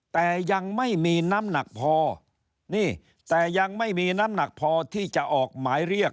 แต่ยังไม่มีน้ำหนักพอนี่แต่ยังไม่มีน้ำหนักพอที่จะออกหมายเรียก